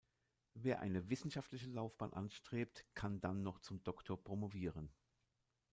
Wer eine wissenschaftliche Laufbahn anstrebt, kann dann noch zum Doktor promovieren.